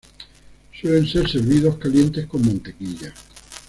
Suelen ser servidos calientes con mantequilla.